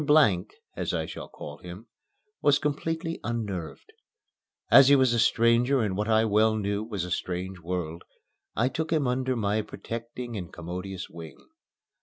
Blank (as I shall call him) was completely unnerved. As he was a stranger in what I well knew was a strange world, I took him under my protecting and commodious wing.